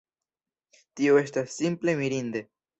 Tio estas simple mirinde!